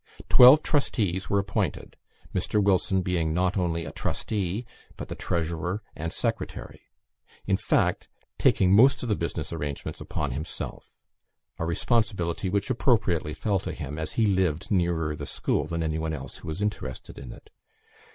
Twelve trustees were appointed; Mr. Wilson being not only a trustee, but the treasurer and secretary; in fact, taking most of the business arrangements upon himself; a responsibility which appropriately fell to him, as he lived nearer the school than any one else who was interested in it.